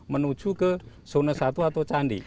menuju ke zona satu atau candi